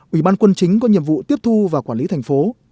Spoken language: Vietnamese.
ủy ban quân chính có nhiệm vụ tiếp thu và quản lý thành phố